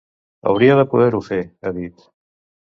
Hauria de poder-ho fer, ha dit.